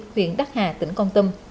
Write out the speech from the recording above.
huyện đắc hà tỉnh con tâm